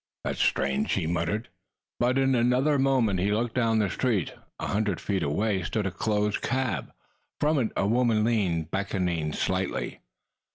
"That's strange," he muttered. But in another moment he looked down the street. A hundred feet away stood a closed cab. From it a woman leaned, beckoning slightly.